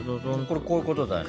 これこういうことだね。